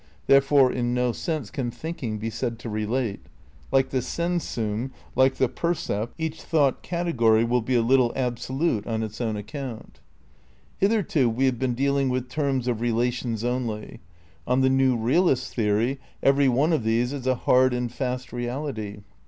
Therefore in no sense can thinking be said to relate. Like the sensum, like the percept, each thought category will be a little ab solute on its own account. Hitherto we have been dealing with terms of rela tions only; on the new realist theory every one of these is a hard and fast reality.